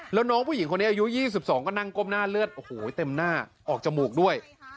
แล้วน้องผู้หญิงคนนี้อายุ๒๒ก็นั่งก้มหน้าเลือดโอ้โหเต็มหน้าออกจมูกด้วย